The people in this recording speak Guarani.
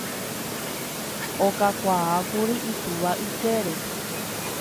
okakuaákuri itúva ykére